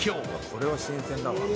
これは新鮮だわ。